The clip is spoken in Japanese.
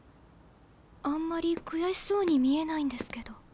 あんまり悔しそうに見えないんですけど。